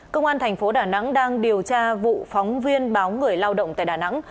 công an thành phố đà nẵng đang điều tra vụ phóng viên báo người lao động tại đà nẵng